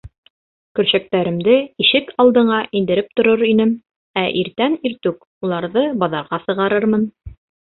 Көршәктәремде ишек алдыңа индереп торор инем, ә иртән иртүк уларҙы баҙарға сығарырмын.